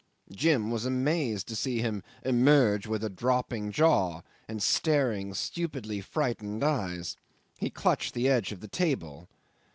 Jim was amazed to see him emerge with a dropping jaw, and staring, stupidly frightened eyes. He clutched the edge of the table.